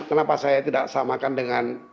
kenapa saya tidak samakan dengan